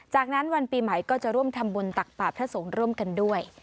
จากนั้นวันปีใหม่ก็จะร่วมทำบุญตักป่าพระสงฆ์ร่วมกันด้วย